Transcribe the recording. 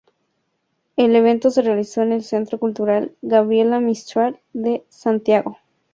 El evento se realizó en el Centro Cultural Gabriela Mistral de Santiago.